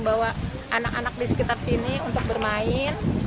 bawa anak anak di sekitar sini untuk bermain